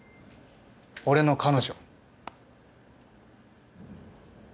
俺の彼女。